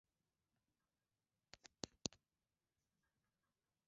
Tumbo la tatu huwa kavu na lililogandamizwa kwa mnyama aliyekufa na ndigana kali